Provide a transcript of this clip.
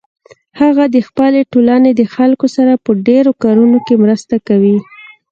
هغه د خپلې ټولنې د خلکو سره په ډیرو کارونو کې مرسته کوي